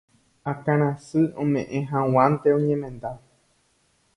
akãrasy ome'ẽ hag̃uánte oñemenda.